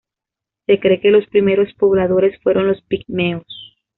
Se cree que los primeros pobladores fueron los pigmeos.